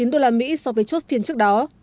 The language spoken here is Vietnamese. tăng chín usd so với chốt phiền trước đó